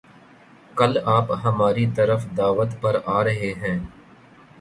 کل آپ ہماری طرف دعوت پر آرہے ہیں